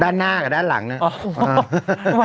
ด้านหน้ากับด้านหลังเนี่ย